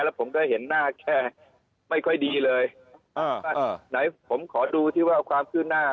แล้วผมก็เห็นหน้าแกไม่ค่อยดีเลยอ่าไหนผมขอดูที่ว่าความขึ้นหน้า